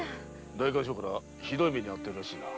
代官所からひどい目に遭ってるらしいな？